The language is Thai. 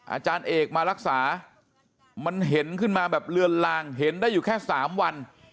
อาจารย์เอกมารักษามันเห็นขึ้นมาแบบเลือนลางเห็นได้อยู่แค่๓วัน